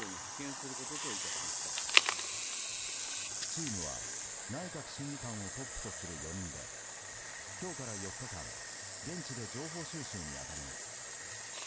チームは内閣審議官をトップとする４人で今日から４日間現地で情報収集に当たります。